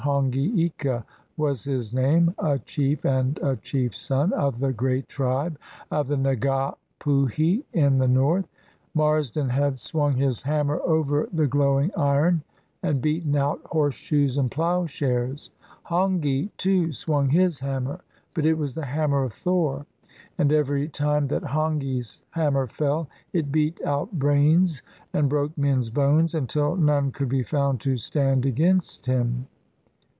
Hongi Ika was his name, a chief and a chief's son of the great tribe of the Nga Puhi in the north. Marsden had swung his hammer over the glowing iron and beaten out horseshoes and plough shares. Hongi, too, swung his hammer; but it was the Hammer of Thor. And every time that Hongi's hammer fell, it beat out brains and broke men's bones, until none could be found to stand against him.